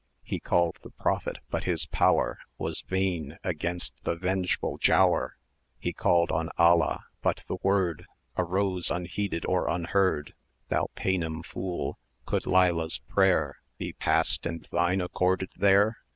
He called the Prophet, but his power Was vain against the vengeful Giaour: 680 He called on Alla but the word Arose unheeded or unheard. Thou Paynim fool! could Leila's prayer Be passed, and thine accorded there?